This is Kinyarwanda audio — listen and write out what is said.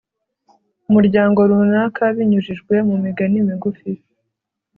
umuryango runaka binyujijwe mu migani migufi